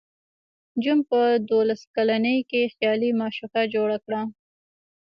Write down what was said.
جون په دولس کلنۍ کې خیالي معشوقه جوړه کړه